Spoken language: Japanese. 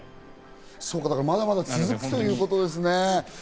まだまだ続くということですね。